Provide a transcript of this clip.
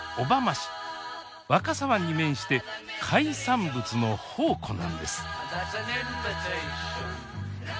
若狭湾に面して海産物の宝庫なんです。